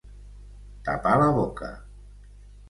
Tapar la boca.